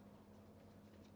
menjadi kemampuan anda